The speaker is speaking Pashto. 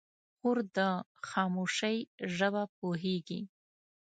خور د خاموشۍ ژبه پوهېږي.